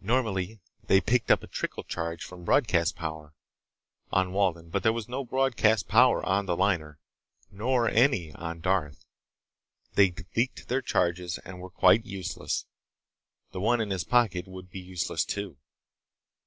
Normally they picked up a trickle charge from broadcast power, on Walden, but there was no broadcast power on the liner, nor any on Darth. They'd leaked their charges and were quite useless. The one in his pocket would be useless, too.